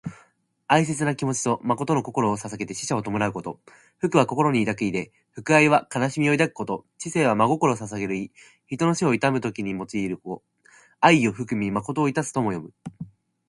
哀切な気持ちと誠の心をささげて死者を弔うこと。「銜」は心に抱く意で、「銜哀」は哀しみを抱くこと、「致誠」は真心をささげる意。人の死を悼む時に用いる語。「哀を銜み誠を致す」とも読む。